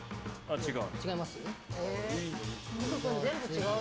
違う。